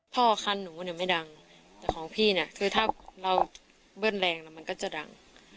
พ่อคันหนูไม่ดังแต่ของพี่ถ้าเราเบิ้ลแรงมันก็จะดัง